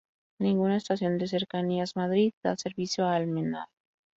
Ninguna estación de Cercanías Madrid da servicio a Almenara.